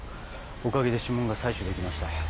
おかげで指紋が採取できました。